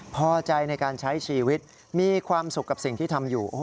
พอใจในการใช้ชีวิตมีความสุขกับสิ่งที่ทำอยู่